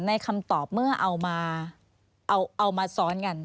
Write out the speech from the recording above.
ในคำตอบเมื่อเอามาสอนกัน